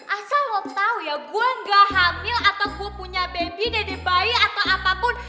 asal lo tau ya gue gak hamil atau gue punya baby debbie bayi atau apapun